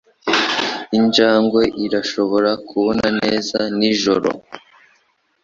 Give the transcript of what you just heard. Injangwe irashobora kubona neza nijoro.